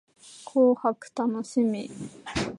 紅白楽しみ